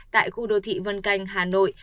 tại khu đô thị vân canh hà nội